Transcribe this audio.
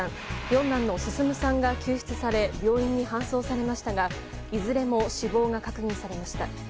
四男の進さんが救出され病院に搬送されましたがいずれも死亡が確認されました。